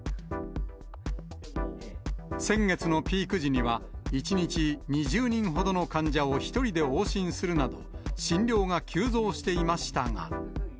先月のピーク時には、１日２０人ほどの患者を１人で往診するなど、診療が急増していましたが。